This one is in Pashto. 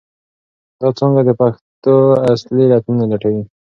دا څانګه د پېښو اصلي علتونه لټوي.